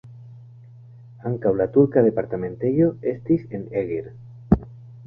Ankaŭ la turka departementejo estis en Eger.